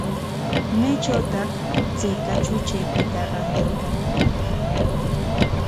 ¿Maytrawtaq chay kachuchaykita rantirqunki?